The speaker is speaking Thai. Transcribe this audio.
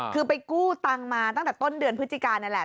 คือไปกู้ตังค์มาตั้งแต่ต้นเดือนพฤศจิกานั่นแหละ